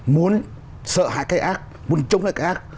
muốn sợ hãi cái ác muốn chống lại cái ác